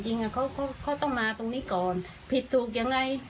จริงเขาต้องมาตรงนี้ก่อนผิดถูกยังไง